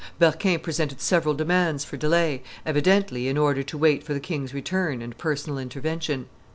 Berquin presented several demands for delay, evidently in order to wait for the king's return and personal intervention.